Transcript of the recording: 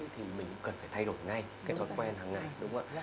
thì mình cũng cần phải thay đổi ngay cái thói quen hàng ngày